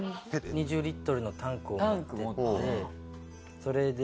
２０リットルのタンクを持ってってそれで。